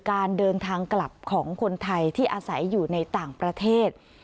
การเดินทางกลับของคนไทยที่อาศัยอยู่ในต่างประเทศ